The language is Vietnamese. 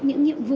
những nhiệm vụ